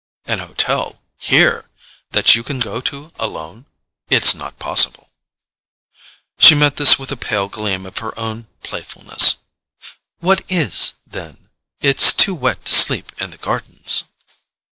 "An hotel—HERE—that you can go to alone? It's not possible." She met this with a pale gleam of her old playfulness. "What IS, then? It's too wet to sleep in the gardens."